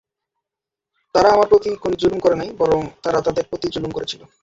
তারা আমার প্রতি কোন জুলুম করে নাই বরং তারা তাদের প্রতিই জুলুম করেছিল।